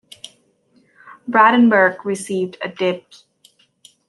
Brandenburg received a Dipl.